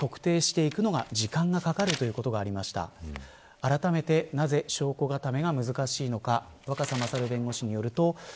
あらためてなぜ証拠固めが難しいのか。